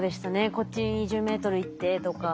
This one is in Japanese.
「こっち２０ｍ行って」とか。